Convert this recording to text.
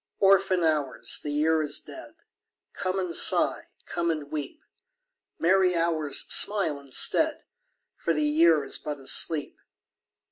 Orphan Hours, the Year is dead, Come and sigh, come and weep! Merry Hours, smile instead, For the Year is but asleep.